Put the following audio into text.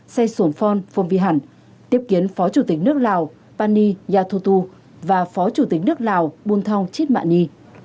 seysol phong phong vy hẳn tiếp kiến phó chủ tịch nước lào pani yathutu và phó chủ tịch nước lào bunthong chitmani